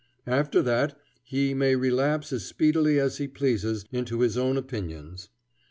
After that he may relapse as speedily as he pleases into his own opinions.